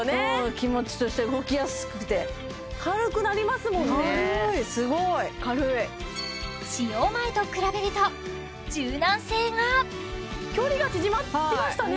気持ちとして動きやすくて軽くなりますもんね軽いすごい使用前と比べると柔軟性が距離が縮まりましたね！